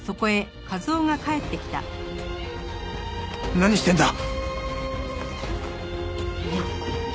何してんだ！？